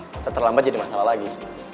kita terlambat jadi masalah lagi